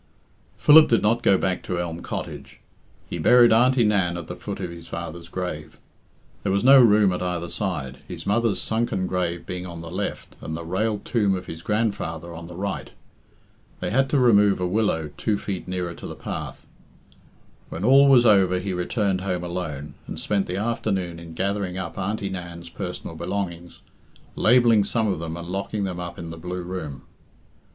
Philip did not go back to Elm Cottage. He buried Auntie Nan at the foot of his father's grave. There was no room at either side, his mother's sunken grave being on the left and the railed tomb of his grandfather on the right. They had to remove a willow two feet nearer to the path. When all was over he returned home alone, and spent the afternoon in gathering up Auntie Nan's personal belongings, labelling some of them and locking them up in the blue room.